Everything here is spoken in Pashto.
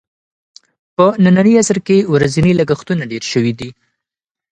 په ننني عصر کې ورځني لګښتونه ډېر شوي دي.